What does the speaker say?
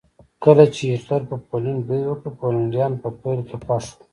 کله چې هېټلر په پولنډ برید وکړ پولنډیان په پیل کې خوښ وو